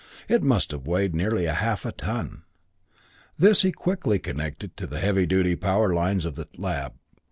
It must have weighed nearly half a ton. This he quickly connected to the heavy duty power lines of the lab.